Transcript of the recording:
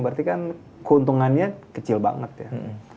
berarti kan keuntungannya kecil banget ya